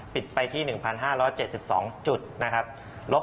ปิดไปที่๑๕๗๒จุดนะครับ